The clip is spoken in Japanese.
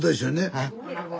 はい。